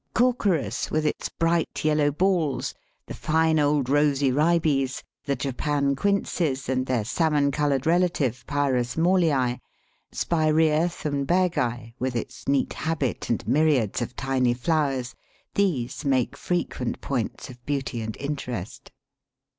Corchorus, with its bright yellow balls, the fine old rosy Ribes, the Japan Quinces and their salmon coloured relative Pyrus Mauleii, Spiræa Thunbergi, with its neat habit and myriads of tiny flowers, these make frequent points of beauty and interest.